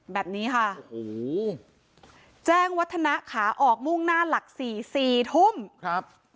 แบบนี้ค่ะโอ้โหแจ้งวัฒนะขาออกมุ่งหน้าหลักสี่สี่ทุ่มครับ